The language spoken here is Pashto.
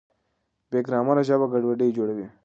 بې ګرامره ژبه ګډوډي جوړوي.